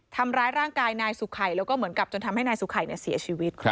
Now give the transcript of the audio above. ทำร้ายร่างกายนายสุขัยแล้วก็เหมือนกับจนทำให้นายสุขัยเสียชีวิต